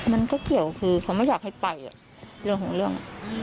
มันก็เกี่ยวคือเขาไม่อยากให้ไปเรื่องของเรื่อง